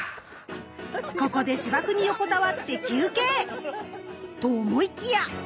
ここで芝生に横たわって休憩！と思いきや。